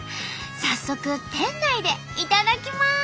早速店内でいただきます！